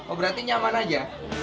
oh berarti nyaman saja